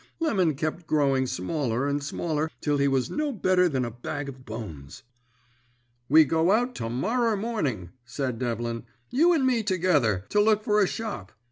Lemon kep growing smaller and smaller till he was no better than a bag of bones. "'We go out to morrer morning,' said Devlin, 'you and me together, to look for a shop.